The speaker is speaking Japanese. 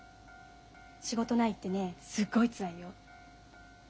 仕事ないってねすごいつらいよ。